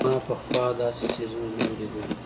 ما پخوا داسې څيزونه نه وو لېدلي.